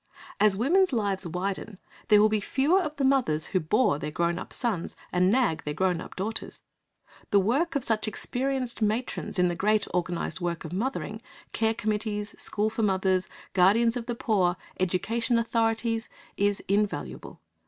As women's lives widen, there will be fewer of the mothers who bore their grown up sons and nag their grown up daughters. The work of such experienced matrons in the great organised work of mothering, care committees, schools for mothers, guardians of the poor, education authorities, is invaluable.